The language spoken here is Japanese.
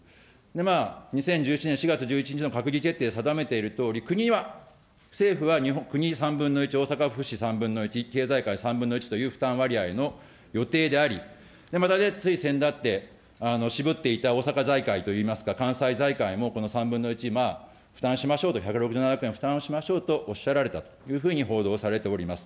まあ２０１７年４月１７日の閣議決定定めているとおり、国は政府は国３分の１、大阪府市３分の１、経済界３分の１という負担割合の予定であり、またすいせんだって、渋っていた大阪財界といいますか、関西財界もこの３分の１、まあ負担しましょうと、１６７点負担しましょうとおっしゃられたというふうに報道されております。